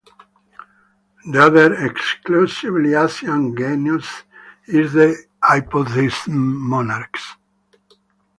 The other exclusively Asian genus is the "Hypothymis" monarchs.